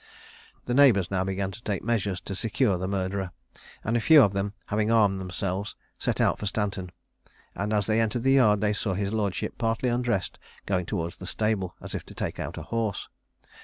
The neighbours now began to take measures to secure the murderer, and a few of them having armed themselves, set out for Stanton; and as they entered the yard, they saw his lordship, partly undressed, going towards the stable, as if to take out a horse.